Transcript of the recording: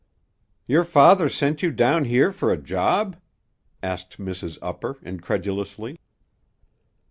"Your father sent you down here fer a job?" asked Mrs. Upper incredulously.